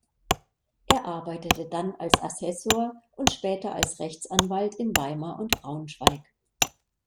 Er arbeitete dann als Assessor, und später als Rechtsanwalt in Weimar und Braunschweig.